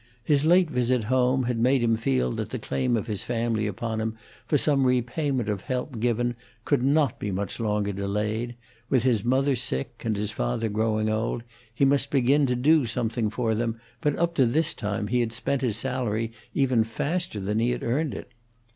His late visit home had made him feel that the claim of his family upon him for some repayment of help given could not be much longer delayed; with his mother sick and his father growing old, he must begin to do something for them, but up to this time he had spent his salary even faster than he had earned it.